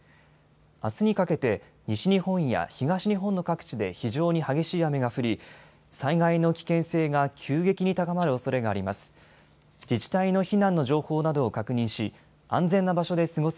あすにかけて西日本や東日本の各地で非常に激しい雨が降り、災害の危険性が急激に高まるおそれがあります。